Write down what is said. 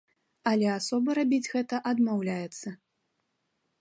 Але асоба рабіць гэта адмаўляецца.